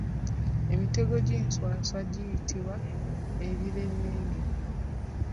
Emitego gy’enswaswa giyitibwa Ebirerege.